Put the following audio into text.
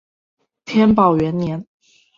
天宝元年。